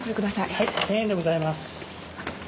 はい１０００円でございます。